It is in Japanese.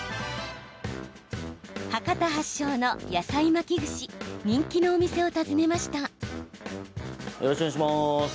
博多発祥の野菜巻き串人気のお店を訪ねました。